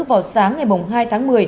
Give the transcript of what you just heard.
vào sáng ngày hai tháng một mươi